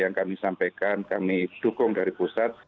yang kami sampaikan kami dukung dari pusat